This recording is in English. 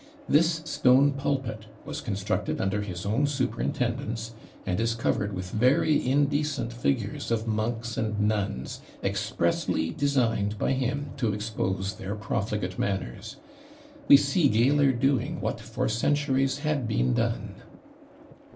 This stone pulpit was constructed under his own superintendence, and is covered with very indecent figures of monks and nuns, expressly designed by him to expose their profligate manners. We see Geyler doing what for centuries had been done!